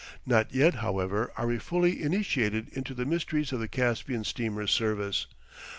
Not yet, however, are we fully initiated into the mysteries of the Caspian steamer's service.